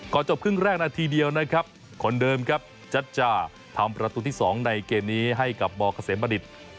จบครึ่งแรกนาทีเดียวนะครับคนเดิมครับจัจจาทำประตูที่๒ในเกมนี้ให้กับมเกษมบัณฑิต